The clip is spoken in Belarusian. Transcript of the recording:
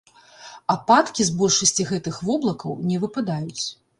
Ападкі з большасці гэтых воблакаў не выпадаюць.